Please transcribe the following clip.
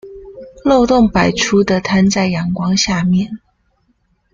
漏洞百出的攤在陽光下面